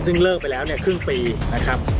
ซึ่งเลิกไปแล้วเนี่ยครึ่งปีนะครับ